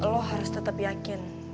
lo harus tetep yakin